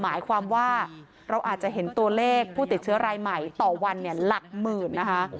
หมายความว่าเราอาจจะเห็นตัวเลขผู้ติดเชื้อรายใหม่ต่อวันหลักหมื่นนะคะ